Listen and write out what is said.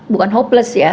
bukan hopeless ya